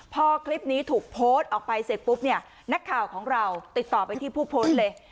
พอคลิปนี้ถูกโพสต์ออกไปเสร็จปุ๊บเนี่ยนักข่าวของเราติดต่อไปที่ผู้โพสต์เลย